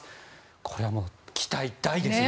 これはもう期待大ですね。